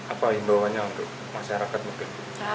apa imbauannya untuk masyarakat mungkin